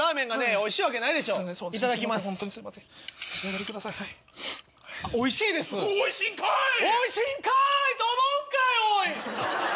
おいしいんかい！と思うんかよおい！